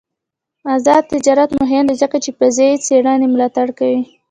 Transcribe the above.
آزاد تجارت مهم دی ځکه چې فضايي څېړنې ملاتړ کوي.